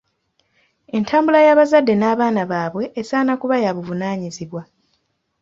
Entambula y’abazadde n’abaana baabwe esaana kuba ya buvunaanyizibwa.